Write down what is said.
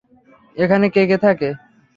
এখানে কে কে থাকে?